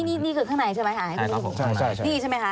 นี่คือข้างในใช่ไหมครับ